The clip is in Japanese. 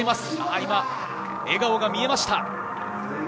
今、笑顔が見えました。